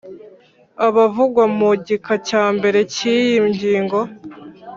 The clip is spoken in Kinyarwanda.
Abavugwa mu gika cya mbere cy’ iyi ngingo